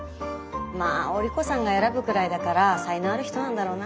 まあ織子さんが選ぶくらいだから才能ある人なんだろうな。